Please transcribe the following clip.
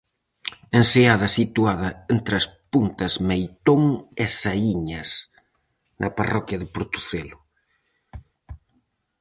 Enseada situada entre as puntas Meitón e Saíñas, na parroquia de Portocelo.